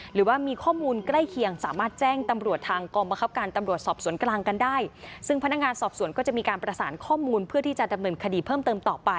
หรืออาจจะมีเบาะแสอะไรก็ตามแต่